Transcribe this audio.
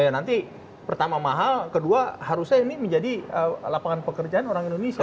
nanti pertama mahal kedua harusnya ini menjadi lapangan pekerjaan orang indonesia